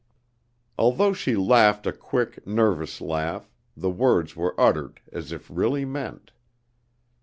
Although she laughed a quick, nervous laugh, the words were uttered as if really meant.